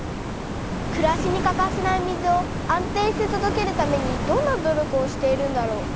くらしにかかせない水を安定してとどけるためにどんな努力をしているんだろう。